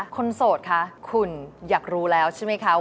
โสดคะคุณอยากรู้แล้วใช่ไหมคะ